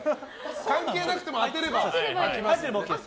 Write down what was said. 関係なくても当てれば開きます。